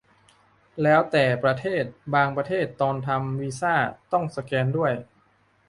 แล้วแต่ประเทศ บางประเทศตอนทำวีซ่าต้องสแกนด้วย